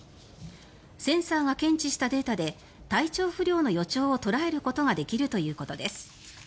センサーが検知したデータで体調不良の予兆を捉えることができるということです。